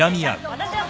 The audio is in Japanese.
私は。